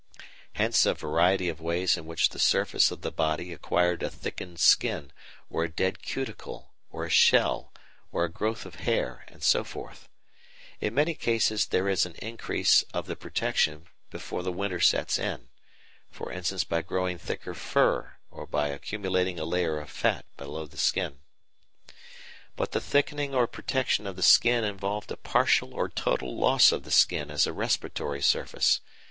Hence a variety of ways in which the surface of the body acquired a thickened skin, or a dead cuticle, or a shell, or a growth of hair, and so forth. In many cases there is an increase of the protection before the winter sets in, e.g. by growing thicker fur or by accumulating a layer of fat below the skin. But the thickening or protection of the skin involved a partial or total loss of the skin as a respiratory surface.